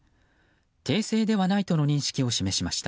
訂正ではないとの認識を示しました。